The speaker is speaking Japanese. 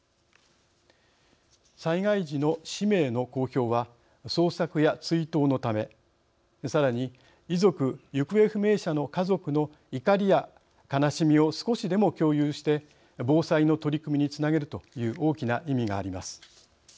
災害時の氏名の公表は捜索や追悼のためさらに遺族・行方不明者の家族の怒りや悲しみを少しでも共有して防災の取り組みにつなげるという大きな意味があります。